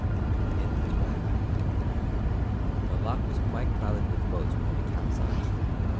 In The Twilight The lock was quite crowded with boats when we capsized.